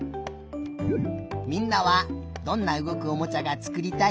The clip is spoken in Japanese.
みんなはどんなうごくおもちゃがつくりたい？